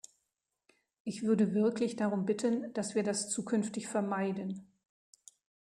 Ich würde wirklich darum bitten, dass wir das zukünftig vermeiden.